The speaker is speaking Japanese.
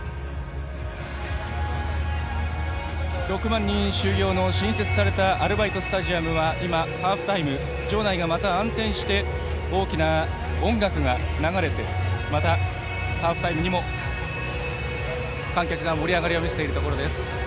６万人収容の新設されたアルバイトスタジアムは今、ハーフタイム場内がまた暗転して大きな音楽が流れてまたハーフタイムにも観客が盛り上がりを見せているところです。